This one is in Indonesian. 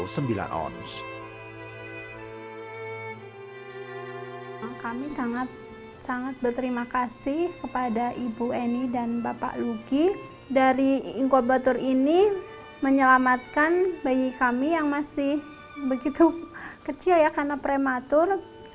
kami sangat berterima kasih kepada ibu eni dan bapak luki dari inkobator ini menyelamatkan bayi kami yang masih begitu kecil ya karena prematur